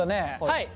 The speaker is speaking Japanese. はい。